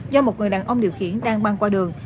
do một người đàn ông điều khiển đang mang qua đường